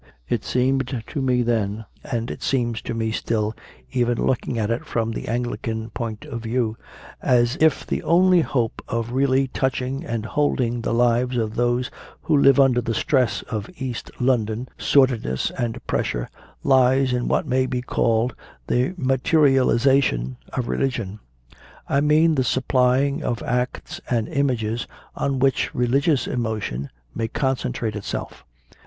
It seemed to me then, and it seems to me still, even looking at it from the Anglican point of view, as if the only hope of really touching and holding the lives of those who live under the stress of East London sordidness and pressure, lies in what may be called the materialisation of religion I mean the supplying of acts and images on which religious emotion may concentrate itself.